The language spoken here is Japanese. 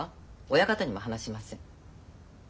親方にも話しません。